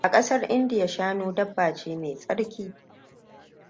A kasar India, shanu dabba ne mai tsarki.